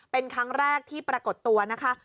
เป็นครั้งแรกที่ปรากฏตัวนะคะ